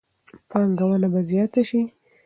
پانګونه به زیاته شي.